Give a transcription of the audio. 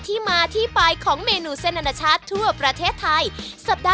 ๖๐กว่าปีแล้วตั้งแต่ยังไม่เกิด